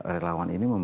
relawan ini membantu